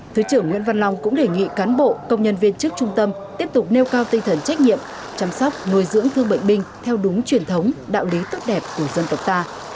thứ trưởng nguyễn văn long cũng đề nghị cán bộ công nhân viên chức trung tâm tiếp tục nêu cao tinh thần trách nhiệm chăm sóc nuôi dưỡng thương bệnh binh theo đúng truyền thống đạo lý tốt đẹp của dân tộc ta